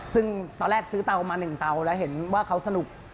ซึ่งตอนแรกซื้อเตามา๑เตาแล้วเห็นว่าเขาสนุก